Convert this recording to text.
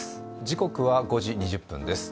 時刻は５時２０分です。